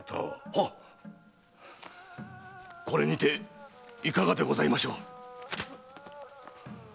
はっこれにていかがでございましょう。